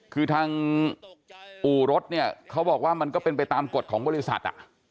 คือทางอู่รถเนี่ยเขาบอกว่ามันก็เป็นไปตามกฎของบริษัท